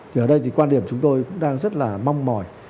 thì ở đây thì quan điểm chúng tôi cũng đang rất là mong mỏi